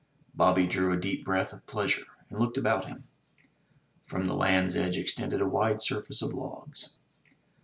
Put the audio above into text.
Bobby drew a deep breath of pleasure, and looked about him. From the land's edge extended a wide surface of logs.